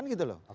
kan gitu loh